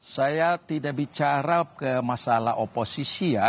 saya tidak bicara ke masalah oposisi ya